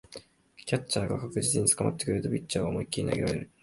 キャッチャーが確実に捕ってくれるとピッチャーは思いっきり投げられる